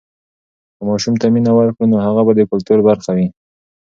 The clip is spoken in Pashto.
که ماشوم ته مینه ورکړو، نو هغه به د کلتور برخه وي.